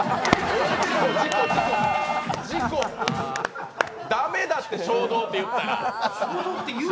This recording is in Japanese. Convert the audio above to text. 事故、事故、駄目だって、衝動って言ったら。